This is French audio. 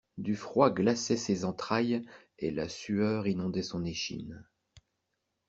Du froid glaçait ses entrailles et la sueur inondait son échine.